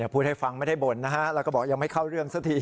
พูดให้ฟังไม่ได้บ่นนะฮะแล้วก็บอกยังไม่เข้าเรื่องสักที